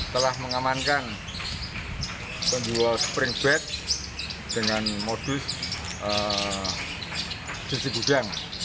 telah mengamankan penjual spring bed dengan modus jersibudang